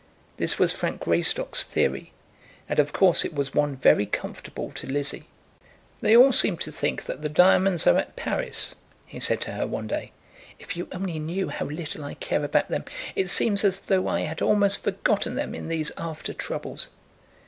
This was Frank Greystock's theory, and of course it was one very comfortable to Lizzie. "They all seem to think that the diamonds are at Paris," he said to her one day. "If you only knew how little I care about them. It seems as though I had almost forgotten them in these after troubles."